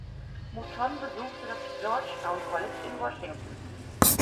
Mouton besuchte das Georgetown College in Washington.